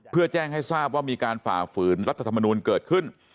เพื่อแจ้งให้ทราบว่ามีการฝ่าฝืนรัฐธรรมนูลเกิดขึ้น